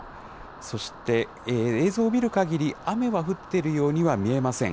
そして、映像を見るかぎり、雨は降ってるようには見えません。